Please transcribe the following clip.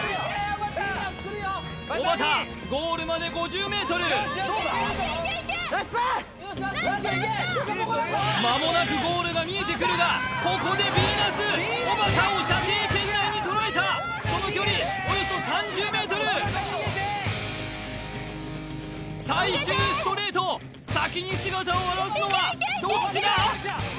おばたゴールまで５０ｍまもなくゴールが見えてくるがここでヴィーナスおばたを射程圏内に捉えたその距離およそ３０ｍ最終ストレート先に姿を現すのはどっちだ？